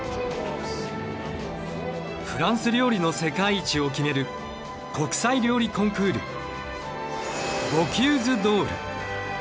フランス料理の世界一を決める国際料理コンクール